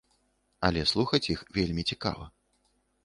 Але слухаць іх вельмі цікава.